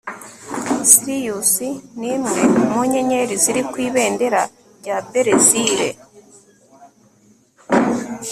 sirius ni imwe mu nyenyeri ziri ku ibendera rya berezile